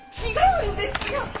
違うんですよ！